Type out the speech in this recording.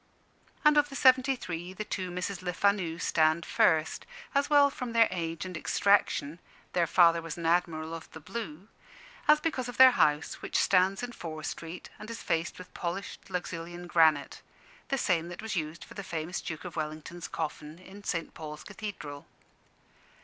And of the seventy three, the two Misses Lefanu stand first, as well from their age and extraction (their father was an Admiral of the Blue) as because of their house, which stands in Fore Street and is faced with polished Luxulyan granite the same that was used for the famous Duke of Wellington's coffin in St. Paul's Cathedral.